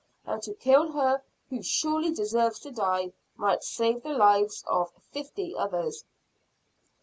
And to kill her who surely deserves to die, might save the lives of fifty others."